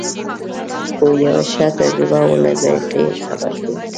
خو یوه ښه تجربه وه له ذایقې یې خبر شوم.